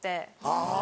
あぁ